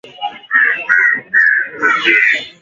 Wanyama wenye ugonjwa huu hutoka uchafu machoni